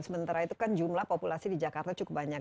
sementara itu kan jumlah populasi di jakarta cukup banyak